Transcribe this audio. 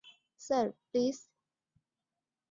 Sir, please.